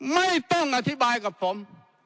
ไม่ต้องอธิบายกับผม